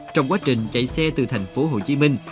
trong quá trình chạy xe từ thành phố hồ chí minh